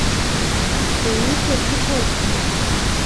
Ды і не толькі польскага.